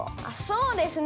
そうですね。